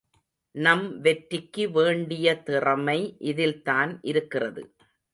நம் வெற்றிக்கு வேண்டிய திறமை இதில்தான் இருக்கிறது.